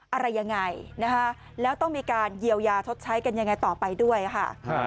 อะไรยังไงนะคะแล้วต้องมีการเยียวยาชดใช้กันยังไงต่อไปด้วยค่ะ